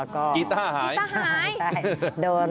กีต้าร์หาย